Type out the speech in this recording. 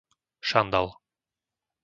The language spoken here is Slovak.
Šandal